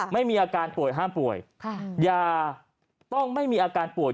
ไม่มีอาการป่วยห้ามป่วยอย่าต้องไม่มีอาการป่วย